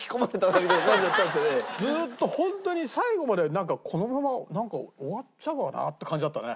ずーっとホントに最後までなんかこのまま終わっちゃうかなって感じだったね。